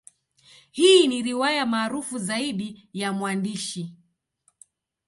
Hii ni riwaya maarufu zaidi ya mwandishi.